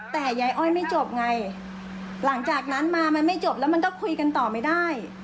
แต่ยายอ้อยไม่จบไงหลังจากนั้นมามันไม่จบแล้วมันก็คุยกันต่อไม่ได้